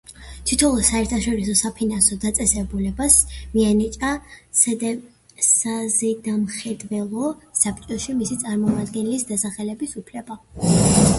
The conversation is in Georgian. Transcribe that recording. თითოეულ საერთაშორისო საფინანსო დაწესებულებას მიენიჭა საზედამხედველო საბჭოში მისი წარმომადგენლის დასახელების უფლება.